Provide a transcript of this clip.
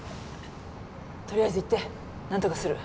とりあえず行って何とかする。